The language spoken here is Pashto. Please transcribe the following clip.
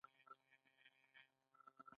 بیا لارښوونو ته غوږ نیسي.